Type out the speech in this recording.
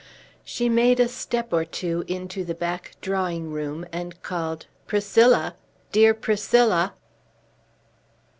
She made a step or two into the back drawing room, and called, "Priscilla! Dear Priscilla!"